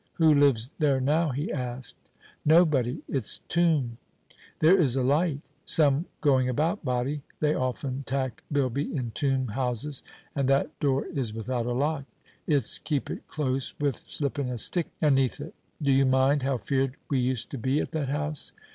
"Who lives there now?" he asked. "Nobody. It's toom." "There is a light." "Some going about body. They often tak' bilbie in toom houses, and that door is without a lock; it's keepit close wi' slipping a stick aneath it. Do you mind how feared we used to be at that house?"